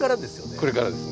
これからですね。